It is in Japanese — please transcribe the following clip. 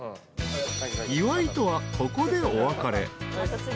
［岩井とはここでお別れ］